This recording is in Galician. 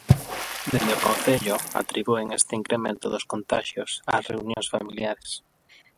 Dende o Concello atribúen este incremento dos contaxios ás reunións familiares.